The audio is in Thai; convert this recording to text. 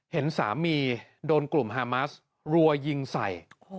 เห็นสามีโดนกลุ่มฮามัสรัวยิงใส่